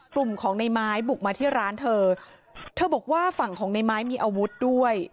กลุ่มของในไม้บุกมาที่ร้านเธอเธอบอกว่าฝั่งของในไม้มีอาวุธด้วย